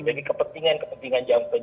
jadi kepentingan kepentingan jantung